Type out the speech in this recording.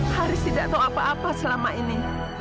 haris tidak tahu apa apa selama ini